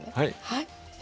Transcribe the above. はい。